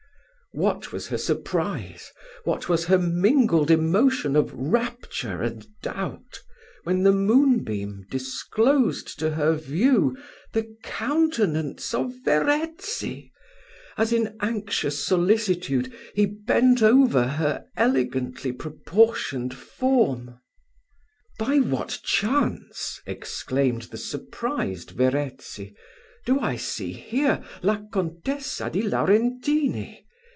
What was her surprise, what was her mingled emotion of rapture and doubt, when the moon beam disclosed to her view the countenance of Verezzi, as in anxious solicitude he bent over her elegantly proportioned form! "By what chance," exclaimed the surprised Verezzi, "do I see here La Contessa di Laurentini?